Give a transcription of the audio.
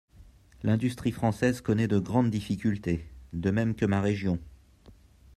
L’industrie française connaît de grandes difficultés, de même que ma région.